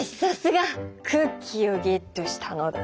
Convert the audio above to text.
クッキーをゲットしたのだ。